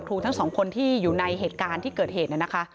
ทั้งสองคนที่อยู่ในเหตุการณ์ที่เกิดเหตุน่ะนะคะ